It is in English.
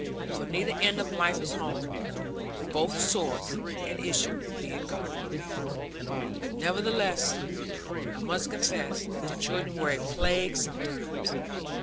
For either end of life is home; both source and issue being God. Nevertheless, I must confess that the children were a plague sometimes.